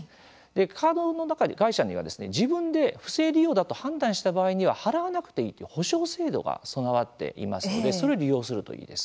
カード会社には自分で不正利用だと判断した場合には払わなくていいという補償制度が備わっていますのでそれを利用するといいです。